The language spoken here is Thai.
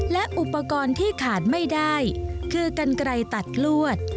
และอุปกรณ์ที่ขาดไม่ได้คือกันไกลตัดลวด